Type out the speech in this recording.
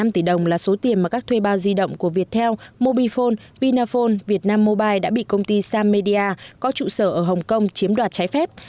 hai trăm ba mươi năm tỷ đồng là số tiền mà các thuê bao di động của viettel mobifone vinaphone vietnam mobile đã bị công ty sammedia có trụ sở ở hồng kông chiếm đoạt trái phép